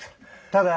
ただ。